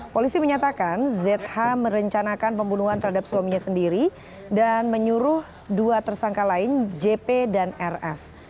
polisi menyatakan zh merencanakan pembunuhan terhadap suaminya sendiri dan menyuruh dua tersangka lain jp dan rf